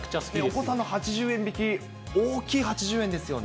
お子さんの８０円引き、大きい８０円ですよね。